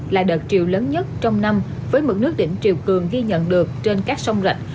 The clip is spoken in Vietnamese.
là đợt triều lớn nhất trong năm với mực nước đỉnh triều cường ghi nhận được trên các sông rạch